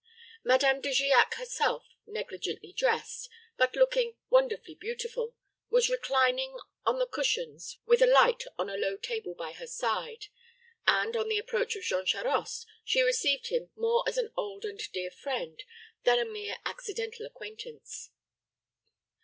Madame de Giac herself, negligently dressed, but looking wonderfully beautiful, was reclining on cushions, with a light on a low table by her side, and, on the approach of Jean Charost, she received him more as an old and dear friend than a mere accidental acquaintance.